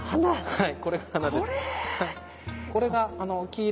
はい。